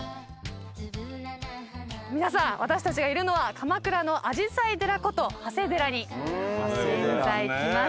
皆さん私たちがいるのは鎌倉のあじさい寺こと長谷寺に現在来ました。